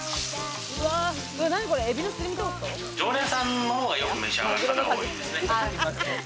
常連さんの方がよくめしあがる方が多いですね。